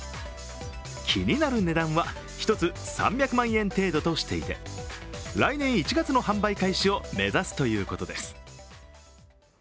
気になる値段は一つ３００万円程度としていて来年１月の販売開始を目指すということです。